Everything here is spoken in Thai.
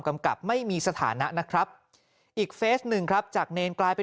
กำกับไม่มีสถานะนะครับอีกเฟสหนึ่งครับจากเนรกลายเป็น